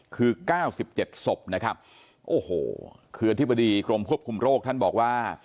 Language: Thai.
คือ๙๗ศพนะครับโอ้โหคืออธิบดีกรมควบคุมโรคท่านบอกว่า